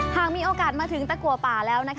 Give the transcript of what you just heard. หากมีโอกาสมาถึงตะกัวป่าแล้ว